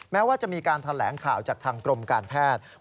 แม้ว่าจะมีการแถลงข่าวจากทางกรมการแพทย์